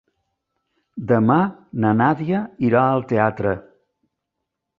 Demà na Nàdia irà al teatre.